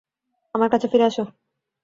আমার কাছে ফিরে আসো।